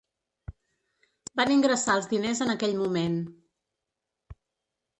Van ingressar els diners en aquell moment.